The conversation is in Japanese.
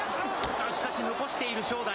しかし残している、正代。